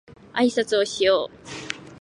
あいさつをしよう